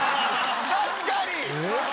確かに！